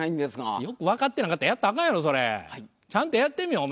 よくわかってなかったらやったらアカンやろそれ。ちゃんとやってみいお前。